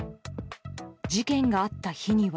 事件があった日には。